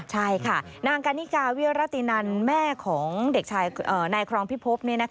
ใช่ค่ะนางกันนิกาเวียรตินันแม่ของนายครองพิพบ